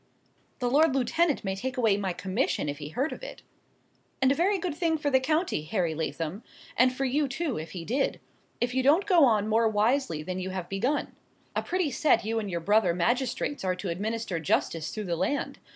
"The lord lieutenant may take away my commission, if he heard of it." "And a very good thing for the county, Harry Lathom; and for you too, if he did,—if you don't go on more wisely than you have begun. A pretty set you and your brother magistrates are to administer justice through the land!